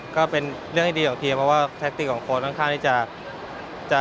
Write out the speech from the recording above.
ก็เป็นเรื่องที่ดีของทีมเพราะว่าแท็กติกของโค้ดค่อนข้างที่จะ